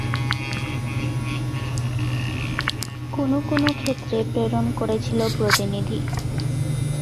কোনো কোনো ক্ষেত্রে প্রেরণ করেছিল প্রতিনিধি।